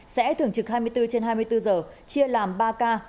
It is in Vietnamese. sẽ thường trực hai mươi bốn trên hai mươi bốn giờ chia làm ba k